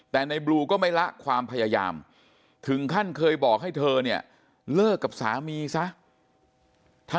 แต่ในบลูก็ไม่ละความพยายามถึงขั้นเคยบอกให้เธอเนี่ยเลิกกับสามีซะ